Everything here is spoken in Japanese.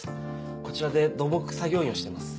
こちらで土木作業員をしています。